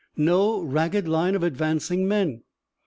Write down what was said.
No ragged line of advancing men.